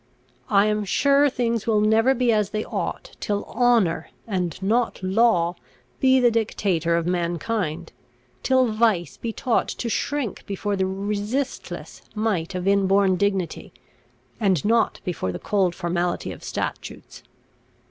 I am sure things will never be as they ought, till honour, and not law, be the dictator of mankind, till vice be taught to shrink before the resistless might of inborn dignity, and not before the cold formality of statutes.